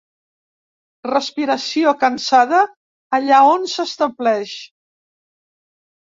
Respiració cansada allà on s'estableix.